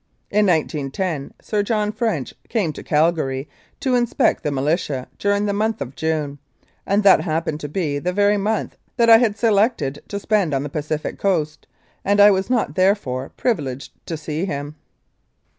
In 1910 Sir John French came to Calgary to inspect the militia during the month of June, and that happened to be the very month that I had selected to spend on the Pacific Coast, and I was not, therefore, privileged to see him.